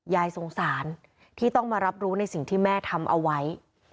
ยายสงสารที่ต้องมารับรู้ในสิ่งที่แม่ทำเอาไว้